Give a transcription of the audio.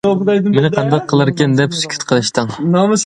مېنى قانداق قىلاركىن دەپ سۈكۈت قىلىشتىڭ!